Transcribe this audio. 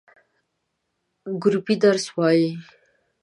ګروپی درس وایی؟